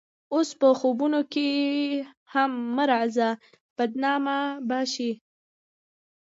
اوس په خوبونو کښې هم مه راځه بدنامه به شې